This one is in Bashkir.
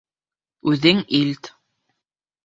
Үҙең илт.